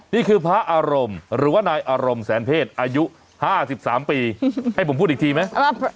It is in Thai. นี่คือพระอารมณ์หรือว่านายอารมณ์แสนเพศอายุ๕๓ปีให้ผมพูดอีกทีไหม